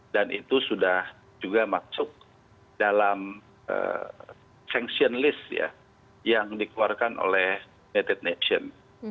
dan itu sudah juga masuk dalam sanction list ya yang dikeluarkan oleh native nation